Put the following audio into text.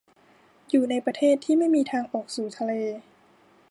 อยู่ในประเทศที่ไม่มีทางออกสู่ทะเล